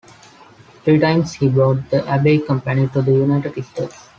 Three times he brought the Abbey Company to the United States.